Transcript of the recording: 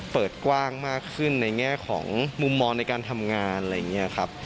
เปิดกว้างมากขึ้นในแง่ของมุมมองในการทำงานอะไรอย่างนี้ครับ